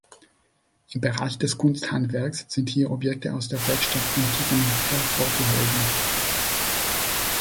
Im Bereich des Kunsthandwerks sind hier Objekte aus der Werkstatt von Tiffany hervorzuheben.